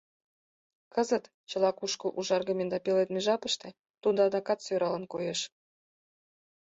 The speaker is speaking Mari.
Кызыт, чыла кушкыл ужаргыме да пеледме жапыште, тудо адакат сӧралын коеш.